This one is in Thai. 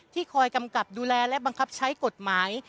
คอยกำกับดูแลและบังคับใช้กฎหมาย